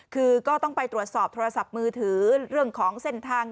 คือก็ต้องไปตรวจสอบโทรศัพท์มือถือเรื่องของเส้นทาง